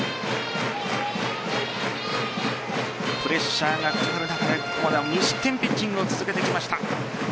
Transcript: プレッシャーがかかる中でここまでは無失点ピッチングを続けてきました。